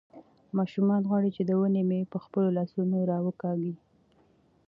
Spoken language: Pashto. ماشوم غواړي چې د ونې مېوه په خپلو لاسونو راوکاږي.